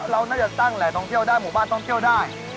เราน่าจะตั้งแหล่งท่องเที่ยวได้หมู่บ้านท่องเที่ยวได้